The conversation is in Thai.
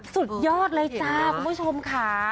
สุดยอดเลยจ้าคุณผู้ชมค่ะ